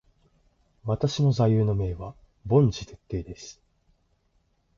私の座右の銘は凡事徹底です。